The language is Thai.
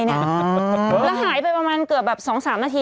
แล้วหายไปประมาณเกือบแบบ๒๓นาที